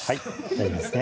大丈夫ですね